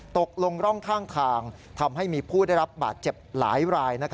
ตกลงร่องข้างทางทำให้มีผู้ได้รับบาดเจ็บหลายราย